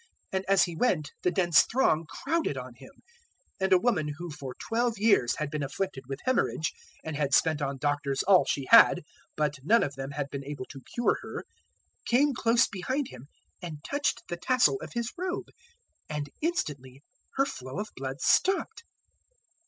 And as He went, the dense throng crowded on Him. 008:043 And a woman who for twelve years had been afflicted with haemorrhage and had spent on doctors all she had, but none of them had been able to cure her 008:044 came close behind Him and touched the tassel of His robe; and instantly her flow of blood stopped.